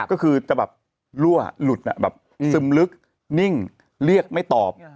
ก็คือจะแบบรั่วหลุดแบบซึมลึกนิ่งเรียกไม่ตอบ